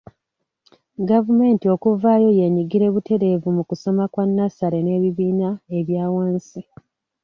Gavumenti okuvaayo yeenyigire butereevu mu kusoma kwa nnassale n’ebibiina ebya wansi.